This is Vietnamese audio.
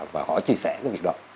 và họ chia sẻ cái việc đó